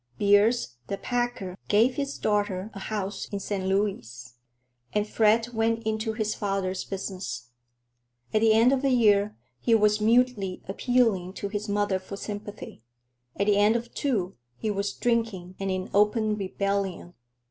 Beers, the packer, gave his daughter a house in St. Louis, and Fred went into his father's business. At the end of a year, he was mutely appealing to his mother for sympathy. At the end of two, he was drinking and in open rebellion.